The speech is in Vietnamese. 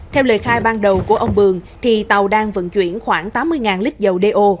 theo lời khai ban đầu của ông bường tàu đang vận chuyển khoảng tám mươi lít dầu đeo